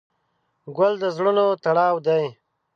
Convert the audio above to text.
ګل د زړونو تړاو دی.